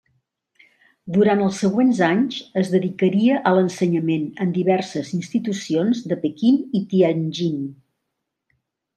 Durant els següents anys es dedicaria a l'ensenyament en diverses institucions de Pequín i Tianjin.